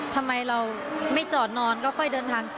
ทำไมเราไม่จอดนอนก็ค่อยเดินทาง